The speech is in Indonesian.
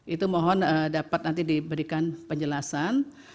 itu mohon dapat nanti diberikan penjelasan